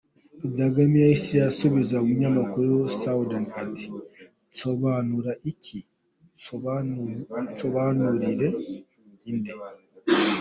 Perezida Kagame yahise asubiza Umunyamakuru Soudan ati “ Nsobanura iki? Nsobanurira nde?”.